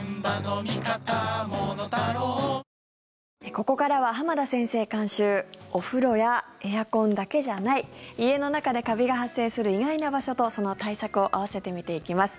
ここからは、浜田先生監修お風呂やエアコンだけじゃない家の中でカビが発生する意外な場所と、その対策を併せて見ていきます。